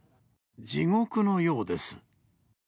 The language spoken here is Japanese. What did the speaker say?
地獄のようです。